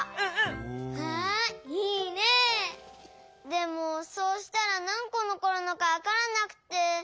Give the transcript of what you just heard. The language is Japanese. でもそうしたらなんこのこるのかわからなくて。